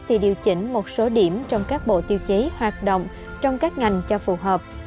thì điều chỉnh một số điểm trong các bộ tiêu chí hoạt động trong các ngành cho phù hợp